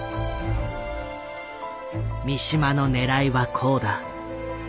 三島のねらいはこうだ。